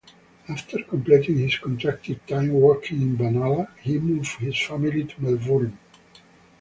After completing his contracted time working in Benalla, he moved his family to Melbourne.